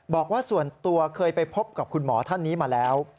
บอกว่าส่วนตัวเคยไปพบกับคุณหมอท่านนี้มาแล้ว